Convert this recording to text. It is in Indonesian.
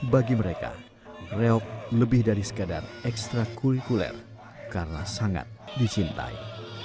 bagi mereka reok lebih dari sekadar ekstra kulikuler karena sangat dicintai